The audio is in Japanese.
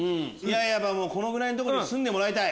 やっぱこのぐらいのとこに住んでもらいたい。